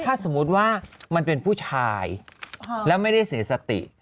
ถ้าสมมุติว่ามันเป็นผู้ชายแล้วไม่ได้เสียสติ